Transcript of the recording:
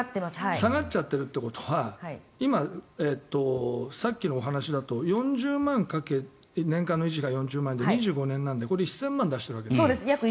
下がっちゃってるってことはさっきのお話だと年間の維持が４０万で２５年なのでこれは１０００万出しているわけです。